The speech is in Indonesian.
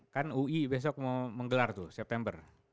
kan ui besok mau menggelar tuh september